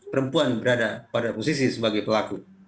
perempuan berada pada posisi sebagai pelaku